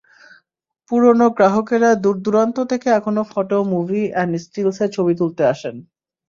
পুরোনো গ্রাহকেরা দূরদূরান্ত থেকে এখনো ফটো মুভি অ্যান্ড স্টিলসে ছবি তুলতে আসেন।